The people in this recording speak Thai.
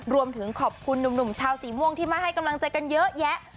รวมถึงขอบคุณหนุ่มชาวสีม่วงที่มาให้กำลังใจกันเยอะแยะ